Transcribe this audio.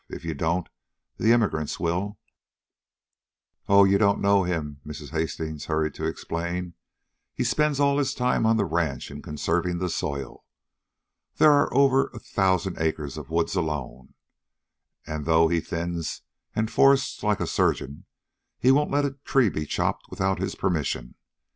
If you don't, the immigrants will." "Oh, you don't know him," Mrs. Hastings hurried to explain. "He spends all his time on the ranch in conserving the soil. There are over a thousand acres of woods alone, and, though he thins and forests like a surgeon, he won't let a tree be chopped without his permission.